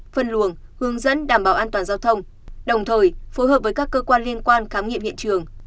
phân luồng hướng dẫn đảm bảo an toàn giao thông đồng thời phối hợp với các cơ quan liên quan khám nghiệm hiện trường